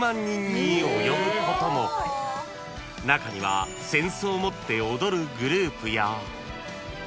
［中には扇子を持って踊るグループや］